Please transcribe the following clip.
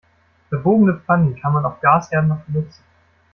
Verbogene Pfannen kann man auf Gasherden noch benutzen.